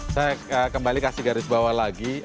saya kembali kasih garis bawah lagi